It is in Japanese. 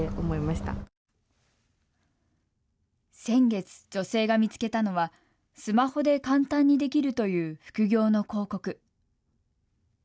先月、女性が見つけたのはスマホで簡単にできるという副業の広告。